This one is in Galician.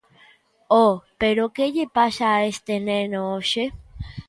Oh, pero que lle pasa a este neno hoxe?